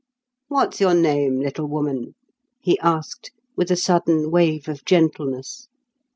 "What's your name, little woman?" he asked, with a sudden wave of gentleness.